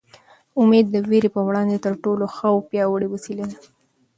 امېد د وېرې په وړاندې تر ټولو ښه او پیاوړې وسله ده.